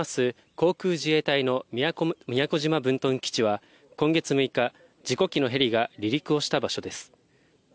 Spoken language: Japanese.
航空自衛隊の宮古島分屯基地は、今月６日、事故機のヘリが離陸をした場所です。